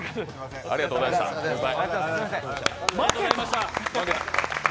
ありがとうございました、先輩。